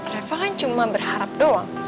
reva kan cuma berharap doang